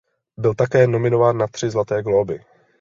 Byl také nominován na tři Zlaté glóby.